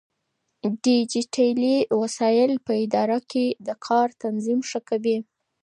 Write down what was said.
ډيجيټلي وسايل په ادارو کې د کار تنظيم ښه کوي.